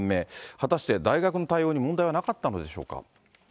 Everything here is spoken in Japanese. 果たして大学の対応に問題はなかったのでしょうか。